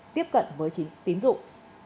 tiếp cận với chính tín dụng